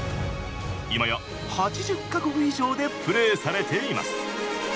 いまや８０か国以上でプレーされています。